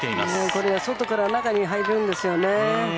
これが外から中に入るんですよね。